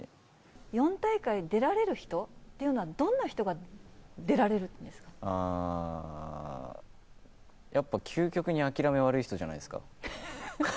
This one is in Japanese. ４大会出られる人っていうのやっぱ、究極に諦め悪い人じゃないですか。